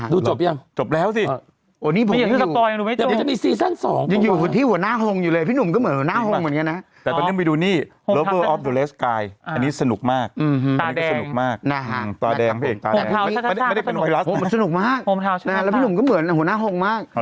เดี๋ยวตอนจบทุกตาตัวนั้นก็ออกมาอีกนะ